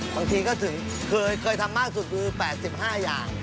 บางทีก็ถึงเคยทำมากสุดคือ๘๕อย่าง